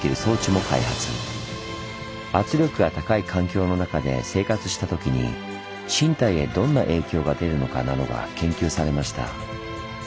圧力が高い環境の中で生活したときに身体へどんな影響が出るのかなどが研究されました。